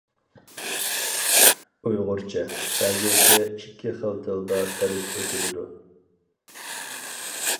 ئۇيغۇرچە، خەنزۇچە ئىككى خىل تىلدا دەرس ئۆتۈلىدۇ.